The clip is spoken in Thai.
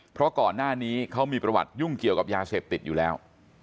เพราะก่อนหน้านี้เขามีประวัติยุ่งเกี่ยวกับยาเสพติดอยู่แล้ว